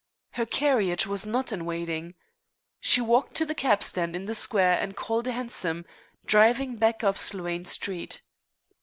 Her carriage was not in waiting. She walked to the cabstand in the square and called a hansom, driving back up Sloane Street.